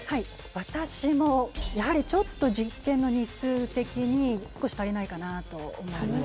私もやはりちょっと実験の日数的に少し足りないかなと思います。